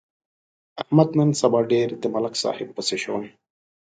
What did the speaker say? احمد نن سبا ډېر د ملک صاحب پسې شوی.